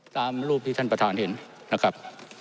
ตามรูปที่ท่านประธานเห็นนะครับ